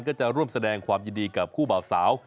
ก็จะร่วมแสดงความยินดีกับคู่บ่าวสาว